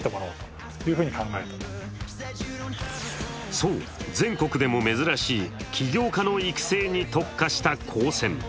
そう、全国でも珍しい起業家の育成に特化した高専。